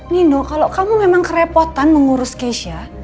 nino kalau kamu memang kerepotan mengurus keisha